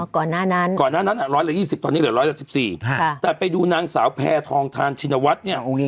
ก่อนนั้นนั้นอ่ะ๑๒๐ตอนนี้เหลือ๑๑๔แต่ไปดูนางสาวแพร่ทองทานชินวัฒน์เนี่ย